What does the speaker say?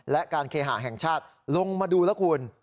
และการเคหาแห่งชาติลงมาดูแล้วคุณ